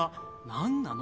何なの？